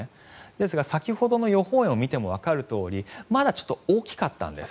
ですが先ほどの予報円を見てもわかるようにまだちょっと大きかったんです。